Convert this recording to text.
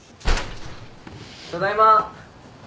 ただいま。